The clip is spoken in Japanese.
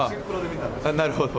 なるほど。